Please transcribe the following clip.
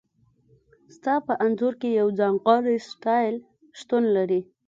ستا په انځور کې یو ځانګړی سټایل شتون لري